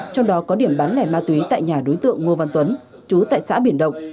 trong đó có điểm bán lẻ ma túy tại nhà đối tượng ngô văn tuấn chú tại xã biển động